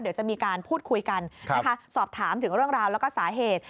เดี๋ยวจะมีการพูดคุยกันนะคะสอบถามถึงเรื่องราวแล้วก็สาเหตุ